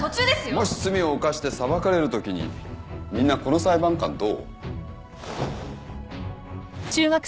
もし罪を犯して裁かれるときにみんなこの裁判官どう？